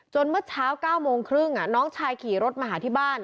จนเมื่อเช้า๐๙๓๐นน้องชายขี่รถมาหาที่บ้าน